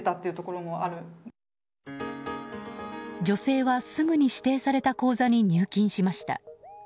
女性は、すぐに指定された口座に入金しました。